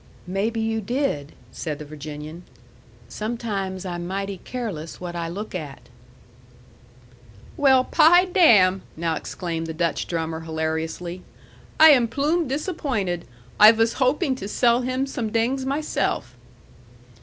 "Maybe you did," said the Virginian. "Sometimes I'm mighty careless what I look at." "Well, py damn!" now exclaimed the Dutch drummer, hilariously. "I am ploom disappointed. I vas hoping to sell him somedings myself."